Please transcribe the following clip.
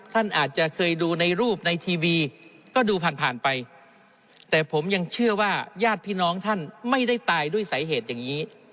ท่านอาจจะเคยดูในรูปในทีวีก็ดูผ่านผ่านไปแต่ผมยังเชื่อว่าญาติพี่น้องท่านไม่ได้ตายด้วยสาเหตุอย่างนี้